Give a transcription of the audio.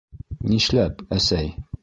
Нишләп, әсәй?